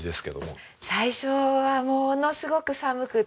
最初はものすごく寒くって。